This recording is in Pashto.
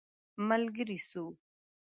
ملګری سو.